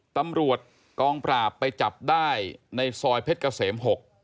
ตำรวจกองปราบไปจับได้ในซอยเพชรเกษม๖